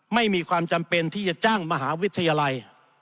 ไม่มีความจำเป็นที่จะจ้างมหาวิทยาลัย